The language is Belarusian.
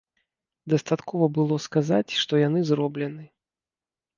Дастаткова было сказаць, што яны зроблены.